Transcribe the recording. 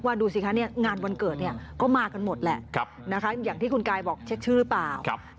ดูสิคะงานวันเกิดก็มากันหมดแหละอย่างที่คุณกายบอกเช็คชื่อหรือเปล่า